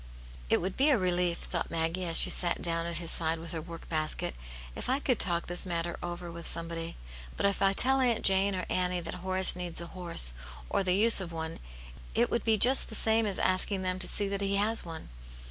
" It would be a relief," thought Maggie, as she sat down at his side with her work basket, " if I could talk this matter over with somebody. But if I tell Aunt Jane or Annie that Horace needs a horse, or the use of one, it would be just the same as asking them to see that he has one.